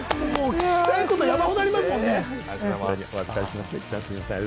聞きたいこと山ほどありますもんね。